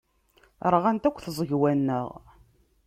Rɣant akk tẓegwa-nneɣ.